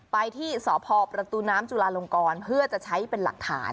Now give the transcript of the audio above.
ไปที่สพประตูน้ำจุลาลงกรเพื่อจะใช้เป็นหลักฐาน